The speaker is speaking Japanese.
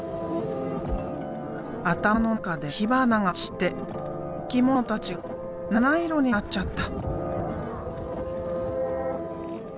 頭の中で火花が散って生き物たちが７色になっちゃった。